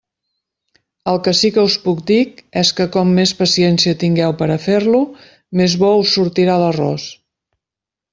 El que sí que us puc dir és que com més paciència tingueu per a fer-lo, més bo us sortirà l'arròs.